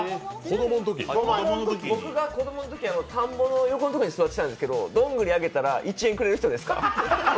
僕が子供のとき田んぼの横に座ってたんですけどどんぐりあげたら１円くれる人ですか。